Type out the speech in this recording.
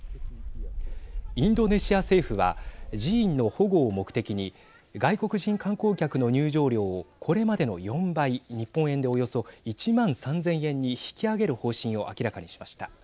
インドネシア政府は寺院の保護を目的に外国人観光客の入場料をこれまでの４倍日本円でおよそ１万３０００円に引き上げる方針を明らかにしました。